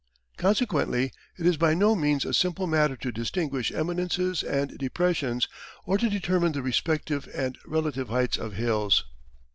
Consequently, it is by no means a simple matter to distinguish eminences and depressions, or to determine the respective and relative heights of hills.